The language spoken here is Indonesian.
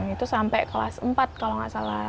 itu sampai kelas empat kalau nggak salah